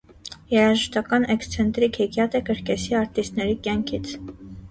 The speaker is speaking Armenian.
Երաժշտական էքսցենտրիկ հեքիաթ է կրկեսի արտիստների կյանքից։